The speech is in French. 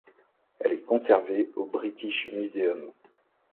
Elle est conservée au British Museum.